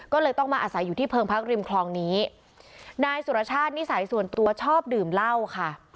ก็เลยต้องมาอาศัยอยู่ที่เพิงพักริมคลองนี้นายสุรชาตินิสัยส่วนตัวชอบดื่มเหล้าค่ะ